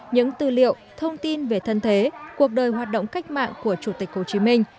những tư liệu thông tin về thân thế cuộc đời hoạt động cách mạng của chủ tịch hồ chí minh